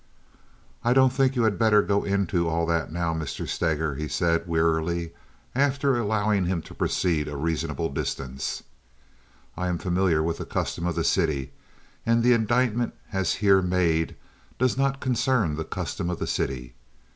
"I don't think you had better go into all that now, Mr. Steger," he said, wearily, after allowing him to proceed a reasonable distance. "I am familiar with the custom of the city, and the indictment as here made does not concern the custom of the city.